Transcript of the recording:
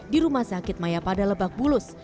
di rumah sakit maya pada lebak bulus